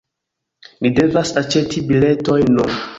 Ni devas aĉeti biletojn nun